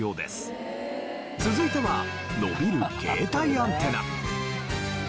続いては伸びる携帯アンテナ。